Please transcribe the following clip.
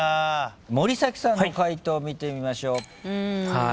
森崎さんの解答見てみましょう。